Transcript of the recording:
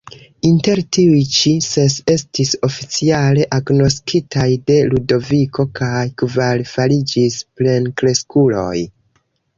Inter tiuj ĉi, ses estis oficiale agnoskitaj de Ludoviko kaj kvar fariĝis plenkreskuloj.